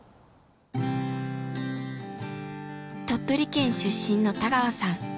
鳥取県出身の田川さん。